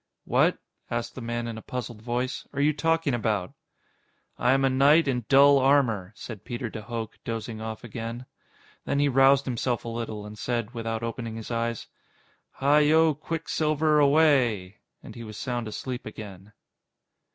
"What," asked the man in a puzzled voice, "are you talking about?" "I am a knight in dull armor," said Peter de Hooch, dozing off again. Then he roused himself a little, and said, without opening his eyes: "Hi yo, Quicksilver, away." And he was sound asleep again.